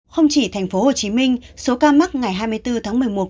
không chỉ thành phố hồ chí minh số ca mắc ngày hai mươi bốn tháng một mươi một của quận tân bình